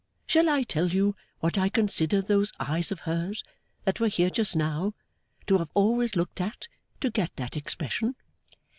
Shall I tell you what I consider those eyes of hers, that were here just now, to have always looked at, to get that expression?